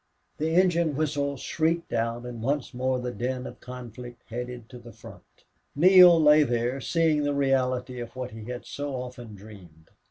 The engine whistle shrieked out and once more the din of conflict headed to the front. Neale lay there, seeing the reality of what he had so often dreamed.